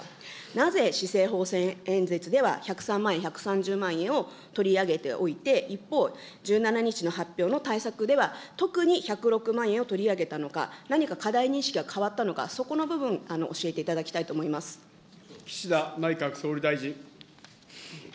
なぜ、施政方針演説では１０３万円、１３０万円を取り上げておいて、一方、１７日の発表の対策では、特に１０６万円を取り上げたのか、何か課題認識は変わったのか、そこの部分、教えていただきたいと岸田内閣総理大臣。